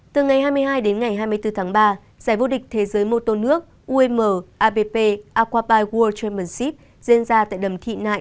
từ ngày hai mươi hai đến ngày hai mươi bốn tháng ba giải vô địch thế giới mô tôn nước um abp aquabyte world championship diễn ra tại đầm thị nại